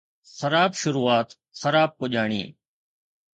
خراب شروعات خراب پڄاڻي